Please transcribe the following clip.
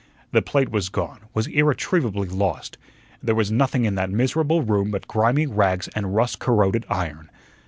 The plate was gone, was irretrievably lost. There was nothing in that miserable room but grimy rags and rust corroded iron.